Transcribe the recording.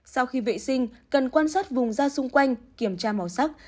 sau khi vệ sinh cần quan sát vùng ra xung quanh kiểm tra màu sắc